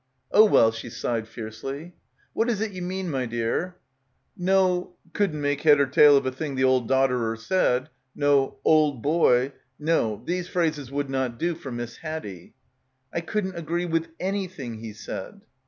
"Oh, well," she sighed fiercely. "What is it ye mean, my dear?" — 'couldn't make head or tail of a thing the old dodderer said' — no 'old boy,' no— these phrases would not do for Miss Haddie. "I couldn't agree with anything he said."